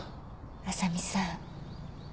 浅見さん。